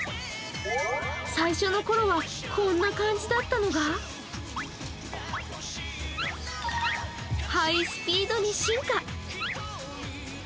最初のころは、こんな感じだったのがハイスピードに進化。